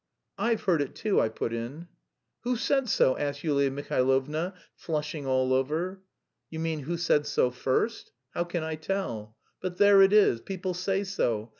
"I've heard it too," I put in. "Who said so?" asked Yulia Mihailovna, flushing all over. "You mean, who said so first? How can I tell? But there it is, people say so.